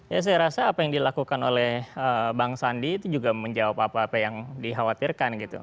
ya saya rasa apa yang dilakukan oleh bang sandi itu juga menjawab apa apa yang dikhawatirkan gitu